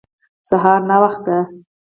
سهار ناوخته